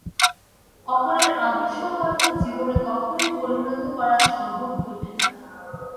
অপরের আদর্শ হয়তো জীবনে কখনই পরিণত করা সম্ভব হইবে না।